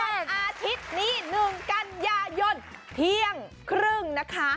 อาทิตย์นี้๑กันยายนเที่ยงครึ่งนะคะ